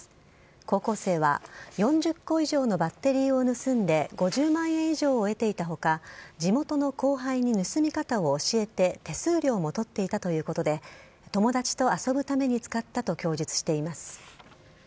高校生は、４０個以上のバッテリーを盗んで５０万円以上の得ていたほか、地元の後輩に盗み方を教えて、手数料も取っていたということで、友達と遊ぶために使ったと供述しています。